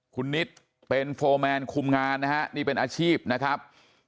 คุณนิดเป็นโฟร์แมนคุมงานนะฮะนี่เป็นอาชีพนะครับ